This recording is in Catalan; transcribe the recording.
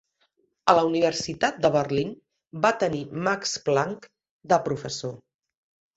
A la Universitat de Berlín, va tenir Max Planck de professor.